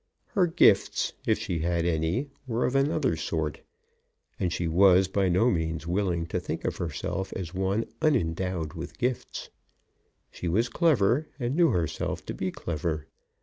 Her gifts, if she had any, were of another sort; and she was by no means willing to think of herself as one unendowed with gifts. She was clever, and knew herself to be clever.